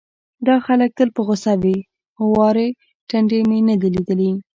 دا خلک تل په غوسه وي، هوارې ټنډې مې نه دي ليدلې،